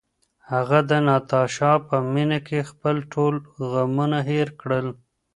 هغه د ناتاشا په مینه کې خپل ټول غمونه هېر کړل.